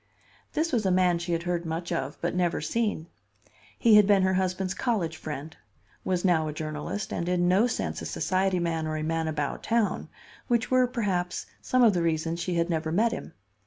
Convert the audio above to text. This was a man she had heard much of but never seen. He had been her husband's college friend; was now a journalist, and in no sense a society man or "a man about town," which were, perhaps, some of the reasons she had never met him.